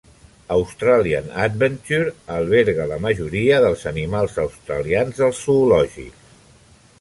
Australian Adventure alberga la majoria dels animals australians dels zoològics.